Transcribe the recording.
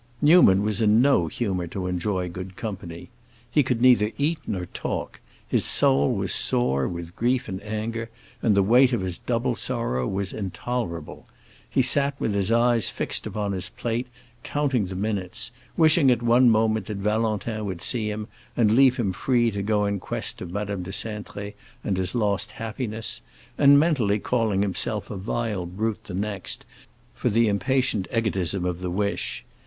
Newman was in no humor to enjoy good company. He could neither eat nor talk; his soul was sore with grief and anger, and the weight of his double sorrow was intolerable. He sat with his eyes fixed upon his plate, counting the minutes, wishing at one moment that Valentin would see him and leave him free to go in quest of Madame de Cintré and his lost happiness, and mentally calling himself a vile brute the next, for the impatient egotism of the wish.